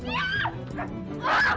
mau pindah keluarga